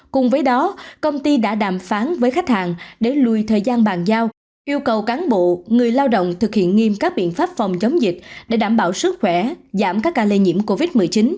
cùng với đó công ty đã đàm phán với khách hàng để lùi thời gian bàn giao yêu cầu cán bộ người lao động thực hiện nghiêm các biện pháp phòng chống dịch để đảm bảo sức khỏe giảm các ca lây nhiễm covid một mươi chín